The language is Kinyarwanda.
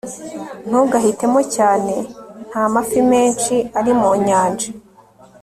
ntugahitemo cyane nta mafi menshi ari mu nyanja